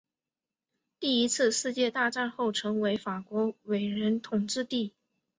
第一次世界大战后成为法国委任统治地。